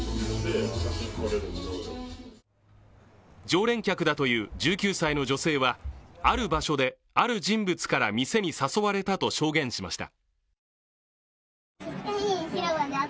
常連客だという１９歳の女性はある場所で、ある人物から店に誘われたと証言しました。